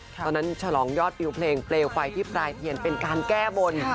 ตอนนั้นฉลองยอดฟิวเพลงฟเลวไฟที่ปลายเผียนเป็นการแก้บน